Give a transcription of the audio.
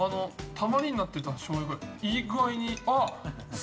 たまりになってたしょうゆがいい具合に。